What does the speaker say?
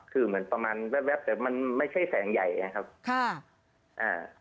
คือเหมือนประมาณแป๊บแต่มันไม่ใช่แสงใหญ่ไงครับค่ะอ่า